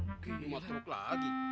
wih lima truk lagi